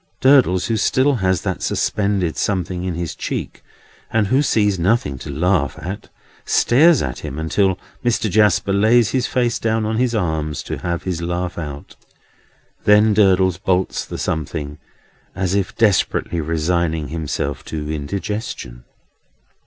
Durdles, who still has that suspended something in his cheek, and who sees nothing to laugh at, stares at him until Mr. Jasper lays his face down on his arms to have his laugh out. Then Durdles bolts the something, as if desperately resigning himself to indigestion.